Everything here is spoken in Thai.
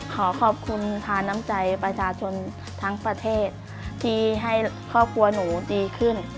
ขอขอบคุณทานน้ำใจประชาชนทั้งประเทศที่ให้ครอบครัวหนูดีขึ้น